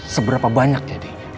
seberapa banyak jadi